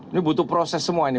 ini butuh proses semua ini